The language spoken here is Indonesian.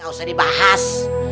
gak usah dibahas